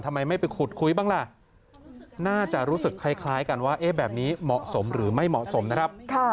ทำไมไม่ไปขุดคุยบ้างล่ะน่าจะรู้สึกคล้ายกันว่าแบบนี้เหมาะสมหรือไม่เหมาะสมนะครับ